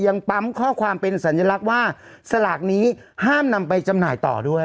ยังปั๊มข้อความเป็นสัญลักษณ์ว่าสลากนี้ห้ามนำไปจำหน่ายต่อด้วย